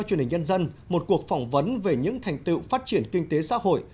truyền hình nhân dân một cuộc phỏng vấn về những thành tựu phát triển kinh tế xã hội